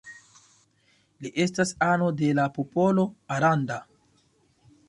Li estas ano de la popolo Aranda.